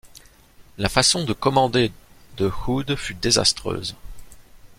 La façon de commander de Hood fut désastreuse.